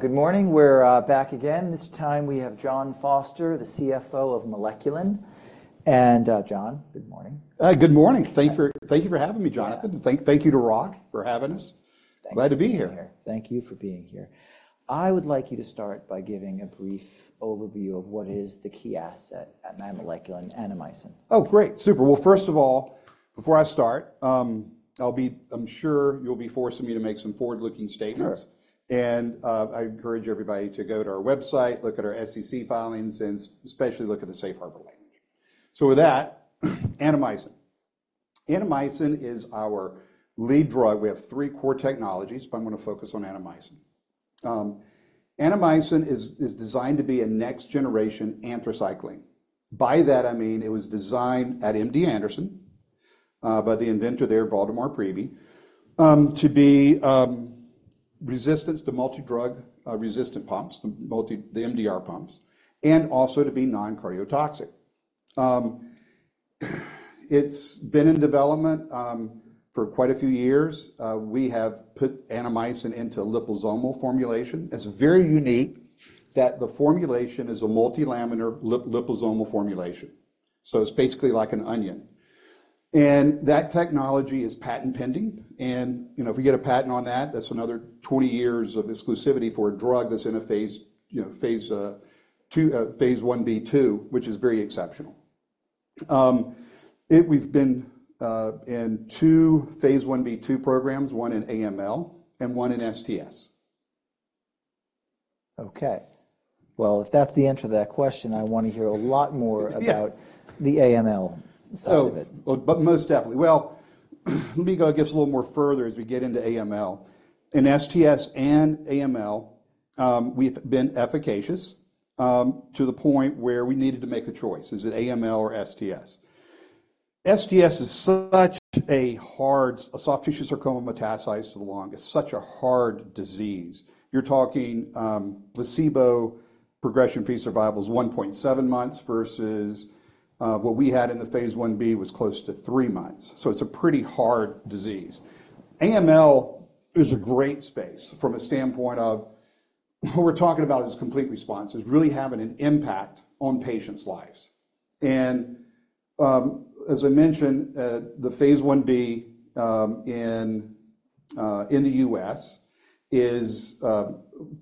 Good morning. We're back again. This time we have Jon Foster, the CFO of Moleculin. Jon, good morning. Good morning. Thank you for having me, Jonathan. Thank you to Roth for having us. Glad to be here. Thank you for being here. I would like you to start by giving a brief overview of what is the key asset at Moleculin: Annamycin. Oh, great. Super. Well, first of all, before I start, I'm sure you'll be forcing me to make some forward-looking statements. And I encourage everybody to go to our website, look at our SEC filings, and especially look at the Safe Harbor language. So with that, Annamycin. Annamycin is our lead drug. We have three core technologies, but I'm going to focus on Annamycin. Annamycin is designed to be a next-generation anthracycline. By that, I mean it was designed at MD Anderson by the inventor there, Waldemar Priebe, to be resistant to multidrug resistant pumps, the MDR pumps, and also to be non-cardiotoxic. It's been in development for quite a few years. We have put Annamycin into liposomal formulation. It's very unique that the formulation is a multilamellar liposomal formulation. So it's basically like an onion. And that technology is patent pending. If we get a patent on that, that's another 20 years of exclusivity for a drug that's in a Phase 1b/2, which is very exceptional. We've been in 2 Phase 1b/2 programs, one in AML and one in STS. Okay. Well, if that's the answer to that question, I want to hear a lot more about the AML side of it. Oh, but most definitely. Well, let me go, I guess, a little more further as we get into AML. In STS and AML, we've been efficacious to the point where we needed to make a choice: is it AML or STS? STS is such a hard soft tissue sarcoma metastasized to the lung. It's such a hard disease. You're talking placebo progression-free survival is 1.7 months versus what we had in the phase 1B was close to three months. So it's a pretty hard disease. AML is a great space from a standpoint of what we're talking about as complete response is really having an impact on patients' lives. And as I mentioned, the phase 1B in the U.S. is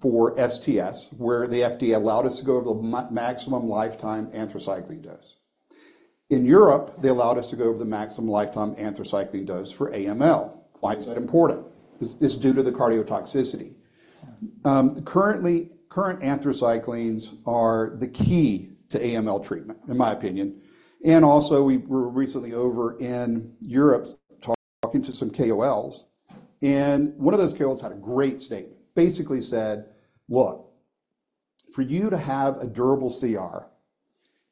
for STS, where the FDA allowed us to go over the maximum lifetime anthracycline dose. In Europe, they allowed us to go over the maximum lifetime anthracycline dose for AML. Why is that important? It's due to the cardiotoxicity. Currently, current anthracyclines are the key to AML treatment, in my opinion. And also, we were recently over in Europe talking to some KOLs. And one of those KOLs had a great statement. Basically said, "Look, for you to have a durable CR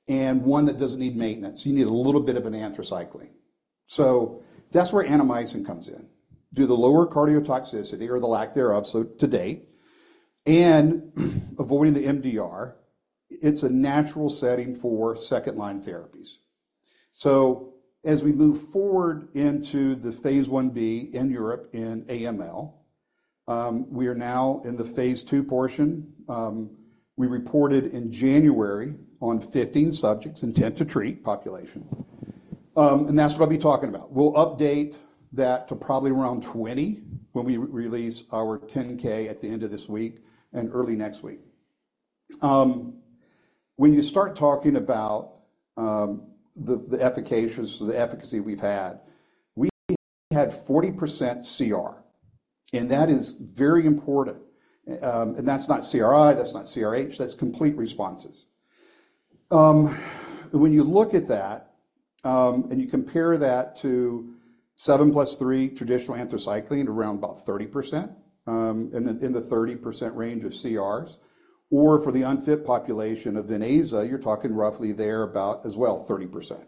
and one that doesn't need maintenance, you need a little bit of an anthracycline." So that's where Annamycin comes in. Due to the lower cardiotoxicity or the lack thereof to date, and avoiding the MDR, it's a natural setting for second-line therapies. So as we move forward into the phase 1b in Europe in AML, we are now in the phase II portion. We reported in January on 15 subjects intent-to-treat population. And that's what I'll be talking about. We'll update that to probably around 20 when we release our 10-K at the end of this week and early next week. When you start talking about the efficacy, the efficacy we've had, we had 40% CR. That is very important. That's not CRI. That's not CRH. That's complete responses. When you look at that and you compare that to 7+3 traditional anthracycline around about 30% in the 30% range of CRs. For the unfit population of Vidaza, you're talking roughly thereabout as well 30%.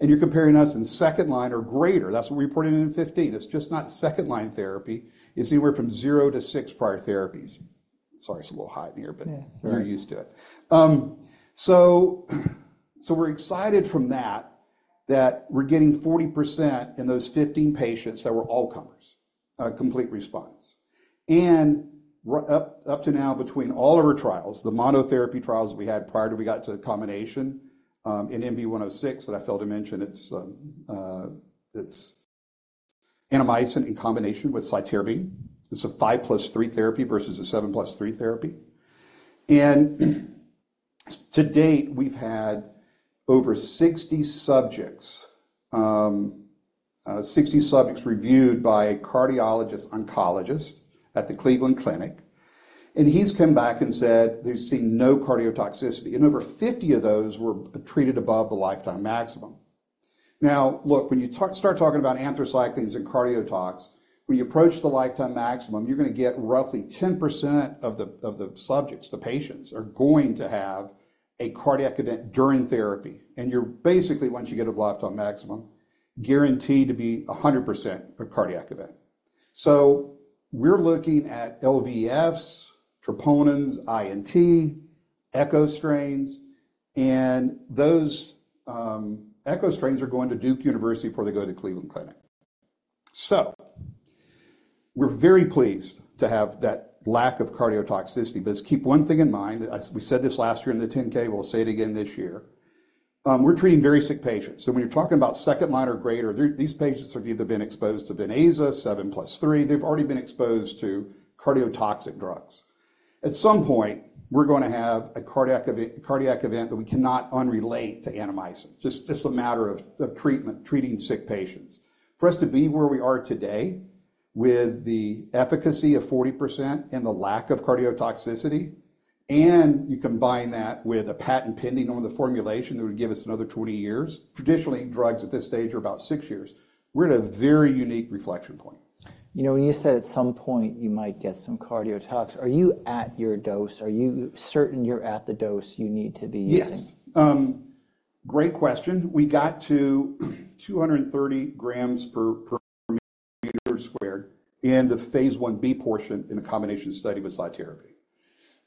You're comparing us in second-line or greater. That's what we reported in 2015. It's just not second-line therapy. It's anywhere from 0-6 prior therapies. Sorry, it's a little hot in here, but you're used to it. We're excited from that that we're getting 40% in those 15 patients that were all-comers, complete response. Up to now, between all of our trials, the monotherapy trials that we had prior to we got to combination in MB-106 that I failed to mention, it's Annamycin in combination with cytarabine. It's a 5+3 therapy versus a 7+3 therapy. To date, we've had over 60 subjects reviewed by a cardiologist-oncologist at the Cleveland Clinic. And he's come back and said they've seen no cardiotoxicity. And over 50 of those were treated above the lifetime maximum. Now, look, when you start talking about anthracyclines and cardiotox, when you approach the lifetime maximum, you're going to get roughly 10% of the subjects, the patients, are going to have a cardiac event during therapy. And you're basically, once you get above lifetime maximum, guaranteed to be 100% a cardiac event. So we're looking at LVEF, troponins, I and T, echo strains. Those echo strains are going to Duke University before they go to the Cleveland Clinic. So we're very pleased to have that lack of cardiotoxicity. But let's keep one thing in mind. We said this last year in the 10K. We'll say it again this year. We're treating very sick patients. So when you're talking about second-line or greater, these patients have either been exposed to Vidaza, 7+3. They've already been exposed to cardiotoxic drugs. At some point, we're going to have a cardiac event that we cannot unrelate to Annamycin. Just a matter of treating sick patients. For us to be where we are today with the efficacy of 40% and the lack of cardiotoxicity, and you combine that with a patent pending on the formulation that would give us another 20 years, traditionally, drugs at this stage are about six years. We're at a very unique reflection point. You said at some point you might get some cardiotox. Are you at your dose? Are you certain you're at the dose you need to be using? Yes. Great question. We got to 230 g per meter squared in the phase 1b portion in the combination study with cytarabine.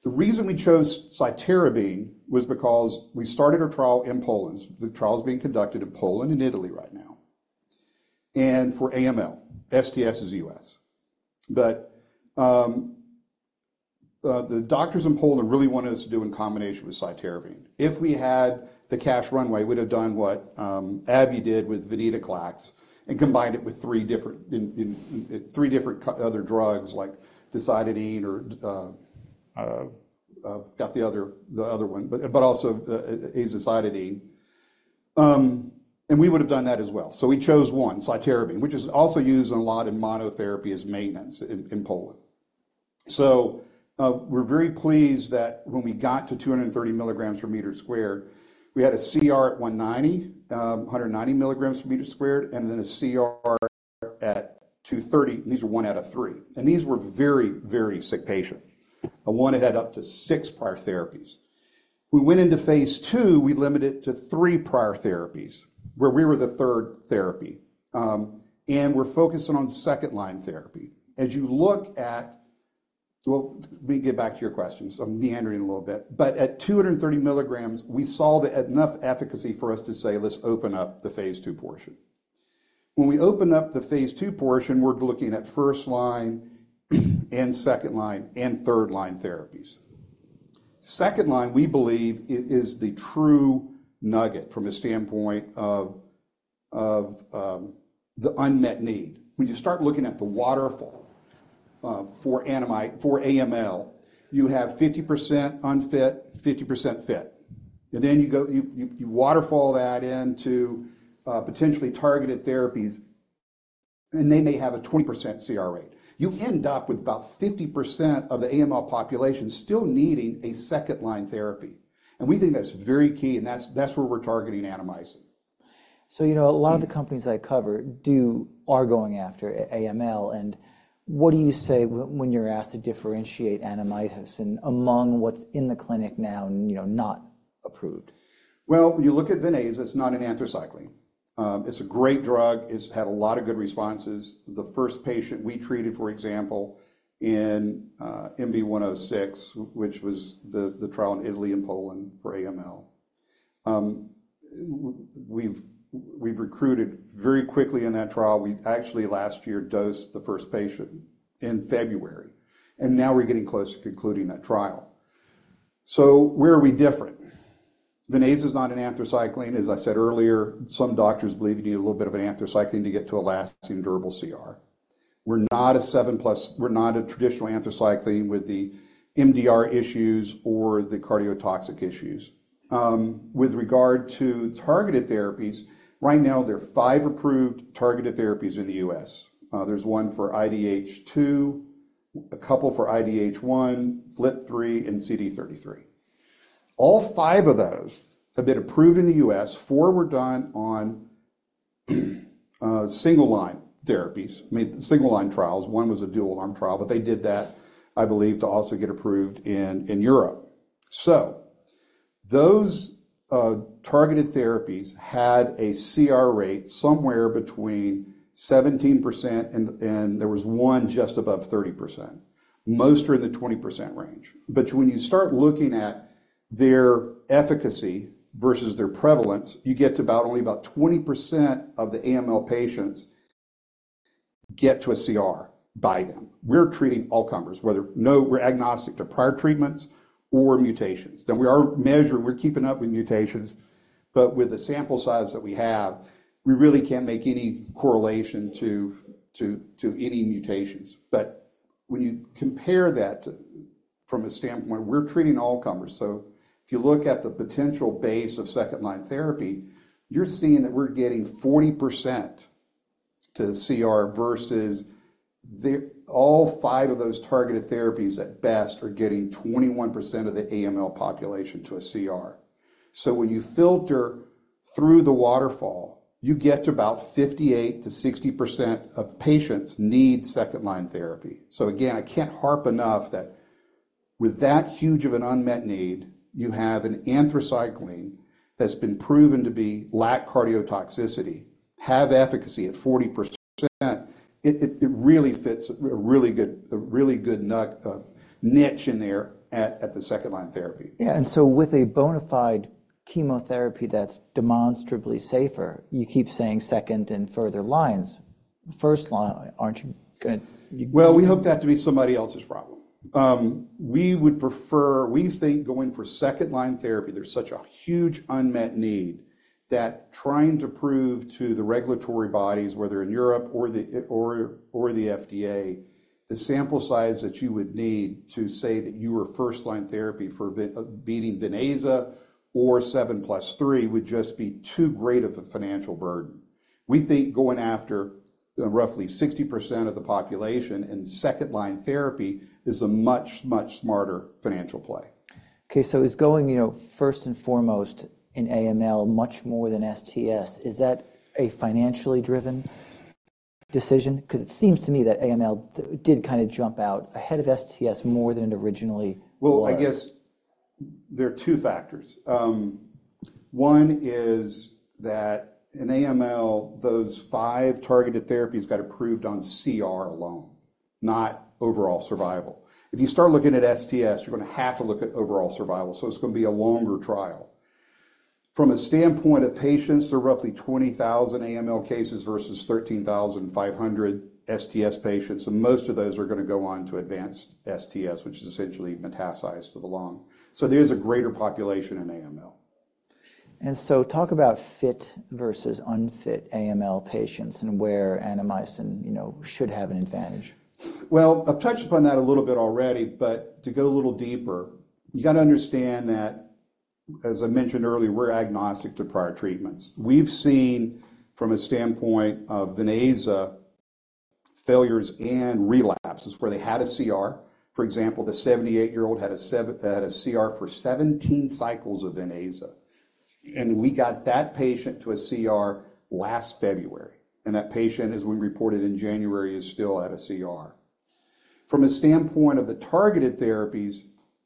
The reason we chose cytarabine was because we started our trial in Poland. The trial is being conducted in Poland and Italy right now. For AML, STS is U.S. But the doctors in Poland really wanted us to do in combination with cytarabine. If we had the cash runway, we'd have done what AbbVie did with venetoclax and combined it with three different other drugs like decitabine or I've got the other one, but also azacitidine. We would have done that as well. We chose one, cytarabine, which is also used a lot in monotherapy as maintenance in Poland. So we're very pleased that when we got to 230 mg per meter squared, we had a CR at 190, 190 mg per meter squared, and then a CR at 230. And these were one out of three. And these were very, very sick patients. One had had up to six prior therapies. We went into phase II. We limited it to three prior therapies where we were the third therapy. And we're focusing on second-line therapy. As you look at well, let me get back to your question. So I'm meandering a little bit. But at 230 mg, we saw enough efficacy for us to say, "Let's open up the phase II portion." When we open up the phase II portion, we're looking at first-line and second-line and third-line therapies. Second-line, we believe, is the true nugget from a standpoint of the unmet need. When you start looking at the waterfall for AML, you have 50% unfit, 50% fit. And then you waterfall that into potentially targeted therapies. And they may have a 20% CR rate. You end up with about 50% of the AML population still needing a second-line therapy. And we think that's very key. And that's where we're targeting Annamycin. A lot of the companies I cover are going after AML. What do you say when you're asked to differentiate Annamycin among what's in the clinic now and not approved? Well, when you look at Vidaza, it's not an anthracycline? It's a great drug. It's had a lot of good responses. The first patient we treated, for example, in MB-106, which was the trial in Italy and Poland for AML, we've recruited very quickly in that trial. We actually, last year, dosed the first patient in February. And now we're getting close to concluding that trial. So where are we different? Vidaza is not an anthracycline? As I said earlier, some doctors believe you need a little bit of an anthracycline to get to a lasting, durable CR. We're not a 7+3; we're not a traditional anthracycline with the MDR issues or the cardiotoxic issues. With regard to targeted therapies, right now, there are five approved targeted therapies in the U.S. There's one for IDH2, a couple for IDH1, FLT3, and CD33. All five of those have been approved in the U.S. Four were done on single-line therapies, single-line trials. One was a dual-arm trial. But they did that, I believe, to also get approved in Europe. So those targeted therapies had a CR rate somewhere between 17%, and there was one just above 30%. Most are in the 20% range. But when you start looking at their efficacy versus their prevalence, you get to only about 20% of the AML patients get to a CR by them. We're treating all-comers, whether we're agnostic to prior treatments or mutations. And we are measuring we're keeping up with mutations. But with the sample size that we have, we really can't make any correlation to any mutations. But when you compare that from a standpoint, we're treating all-comers. So if you look at the potential base of second-line therapy, you're seeing that we're getting 40% to CR versus all five of those targeted therapies, at best, are getting 21% of the AML population to a CR. So when you filter through the waterfall, you get to about 58%-60% of patients need second-line therapy. So again, I can't harp enough that with that huge of an unmet need, you have an anthracycline that's been proven to lack cardiotoxicity, have efficacy at 40%. It really fits a really good niche in there at the second-line therapy. Yeah. And so with a bona fide chemotherapy that's demonstrably safer, you keep saying second and further lines. First-line, aren't you going to? Well, we hope that to be somebody else's problem. We would prefer we think going for second-line therapy, there's such a huge unmet need that trying to prove to the regulatory bodies, whether in Europe or the FDA, the sample size that you would need to say that you were first-line therapy for beating Vidaza or 7+3 would just be too great of a financial burden. We think going after roughly 60% of the population in second-line therapy is a much, much smarter financial play. Okay. So it's going first and foremost in AML much more than STS. Is that a financially driven decision? Because it seems to me that AML did kind of jump out ahead of STS more than it originally was. Well, I guess there are two factors. One is that in AML, those five targeted therapies got approved on CR alone, not overall survival. If you start looking at STS, you're going to have to look at overall survival. So it's going to be a longer trial. From a standpoint of patients, there are roughly 20,000 AML cases versus 13,500 STS patients. And most of those are going to go on to advanced STS, which is essentially metastasized to the lung. So there's a greater population in AML. And so talk about fit versus unfit AML patients and where Annamycin should have an advantage. Well, I've touched upon that a little bit already. But to go a little deeper, you got to understand that, as I mentioned earlier, we're agnostic to prior treatments. We've seen, from a standpoint of Vidaza, failures and relapses where they had a CR. For example, the 78-year-old had a CR for 17 cycles of Vidaza. And we got that patient to a CR last February. And that patient, as we reported in January, is still at a CR. From a standpoint of the targeted therapies,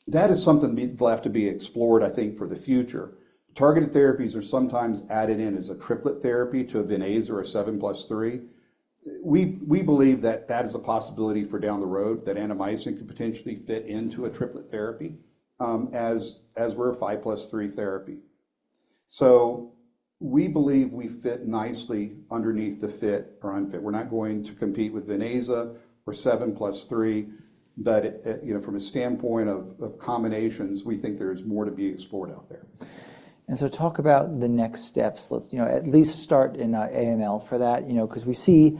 that is something left to be explored, I think, for the future. Targeted therapies are sometimes added in as a triplet therapy to a Vidaza or a 7+3. We believe that that is a possibility for down the road, that Annamycin could potentially fit into a triplet therapy as we're a 5+3 therapy. So we believe we fit nicely underneath the fit or unfit. We're not going to compete with Vidaza or 7+3. But from a standpoint of combinations, we think there is more to be explored out there. And so talk about the next steps. Let's at least start in AML for that. Because we see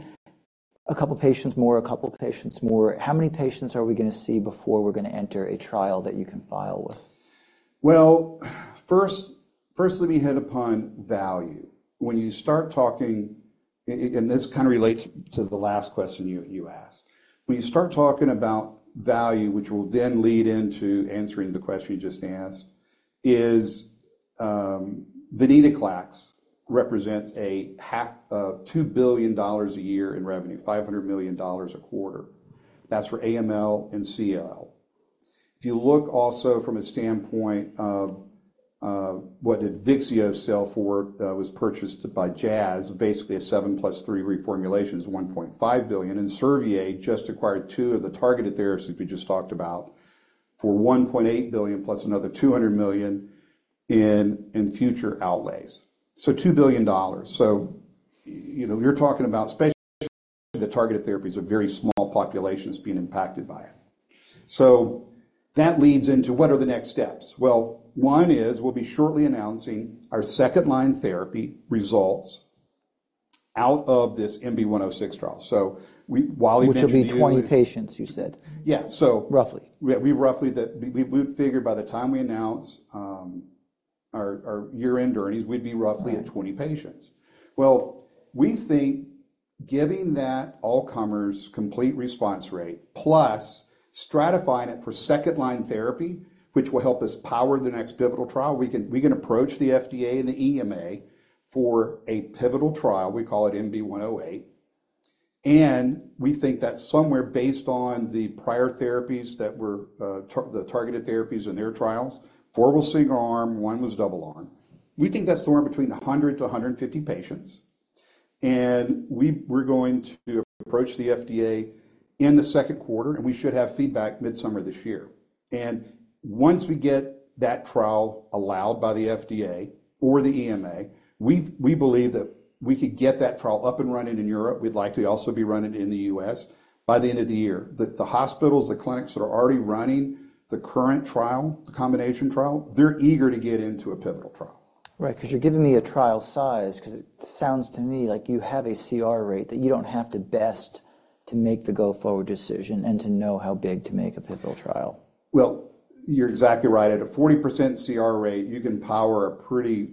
a couple of patients more, a couple of patients more. How many patients are we going to see before we're going to enter a trial that you can file with? Well, first, let me hit upon value. When you start talking, and this kind of relates to the last question you asked. When you start talking about value, which will then lead into answering the question you just asked, Venetoclax represents a half of $2 billion a year in revenue, $500 million a quarter. That's for AML and CLL. If you look also from a standpoint of what did Vyxeos sell for? It was purchased by Jazz. Basically, a 7+3 reformulation is $1.5 billion. And Servier just acquired two of the targeted therapies we just talked about for $1.8 billion + another $200 million in future outlays. So $2 billion. So you're talking about especially the targeted therapies are very small populations being impacted by it. So that leads into what are the next steps? Well, one is we'll be shortly announcing our second-line therapy results out of this MB-106 trial. So while you mentioned the. Which will be 20 patients, you said? Yeah. So. Roughly. We've roughly that we would figure by the time we announce our year-end earnings, we'd be roughly at 20 patients. Well, we think giving that all-comers complete response rate plus stratifying it for second-line therapy, which will help us power the next pivotal trial, we can approach the FDA and the EMA for a pivotal trial. We call it MB108. We think that somewhere based on the prior therapies that were the targeted therapies in their trials, four was single-arm, one was double-arm. We think that's somewhere between 100-150 patients. We're going to approach the FDA in the second quarter. We should have feedback midsummer this year. Once we get that trial allowed by the FDA or the EMA, we believe that we could get that trial up and running in Europe. We'd like to also be running it in the U.S. by the end of the year. The hospitals, the clinics that are already running the current trial, the combination trial, they're eager to get into a pivotal trial. Right. Because you're giving me a trial size. Because it sounds to me like you have a CR rate that you don't have to beat to make the go-forward decision and to know how big to make a pivotal trial. Well, you're exactly right. At a 40% CR rate, you can power a pretty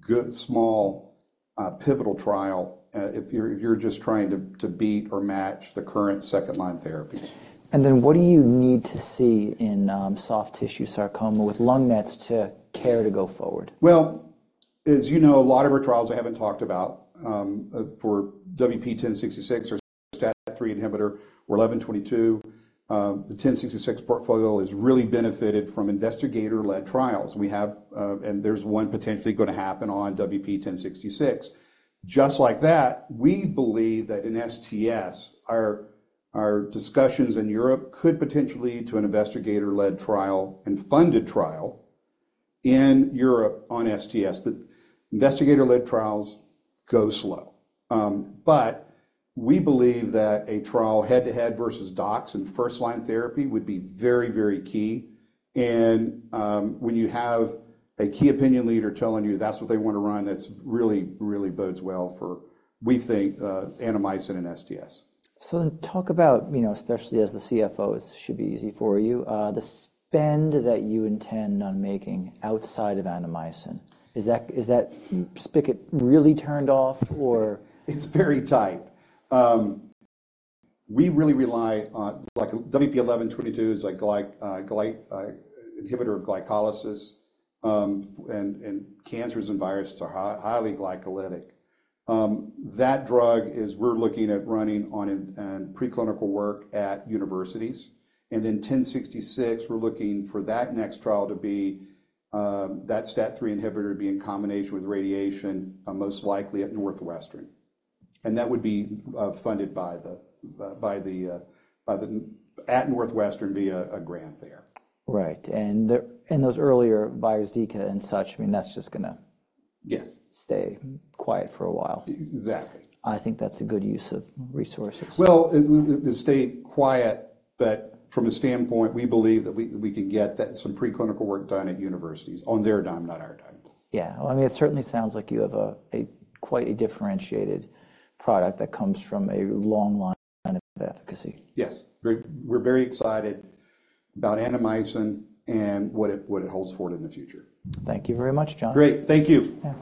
good small pivotal trial if you're just trying to beat or match the current second-line therapies. What do you need to see in soft tissue sarcoma with lung mets to care to go forward? Well, as you know, a lot of our trials I haven't talked about for WP1066 or STAT3 inhibitor or WP1122, the WP1066 portfolio has really benefited from investigator-led trials. And there's one potentially going to happen on WP1066. Just like that, we believe that in STS, our discussions in Europe could potentially lead to an investigator-led trial and funded trial in Europe on STS. But investigator-led trials go slow. But we believe that a trial head-to-head versus doxorubicin in first-line therapy would be very, very key. And when you have a key opinion leader telling you that's what they want to run, that really, really bodes well for, we think, Annamycin and STS. So then talk about, especially as the CFO, it should be easy for you, the spend that you intend on making outside of Annamycin. Is that spigot really turned off, or? It's very tight. We really rely on WP1122 is an inhibitor of glycolysis. And cancers and viruses are highly glycolytic. That drug, we're looking at running on preclinical work at universities. And then 1066, we're looking for that next trial to be that STAT3 inhibitor to be in combination with radiation, most likely at Northwestern. And that would be funded by a grant at Northwestern via a grant there. Right. And those earlier Biosika and such, I mean, that's just going to. Yes. Stay quiet for a while. Exactly. I think that's a good use of resources. Well, it will stay quiet. But from a standpoint, we believe that we can get some preclinical work done at universities on their time, not our time. Yeah. Well, I mean, it certainly sounds like you have quite a differentiated product that comes from a long line of efficacy. Yes. We're very excited about Annamycin and what it holds forward in the future. Thank you very much, Jon. Great. Thank you. Yeah.